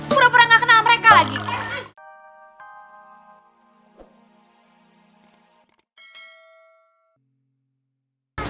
pura pura gak kenal mereka lagi ya